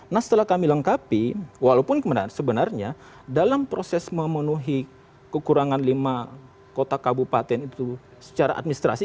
nah setelah kami lengkapi walaupun sebenarnya dalam proses memenuhi kekurangan lima kota kabupaten itu secara administrasi